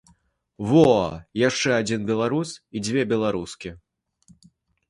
Во яшчэ адзін беларус і дзве беларускі.